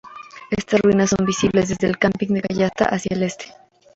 Estas ruinas son visibles desde el camping de Cayastá hacia el este.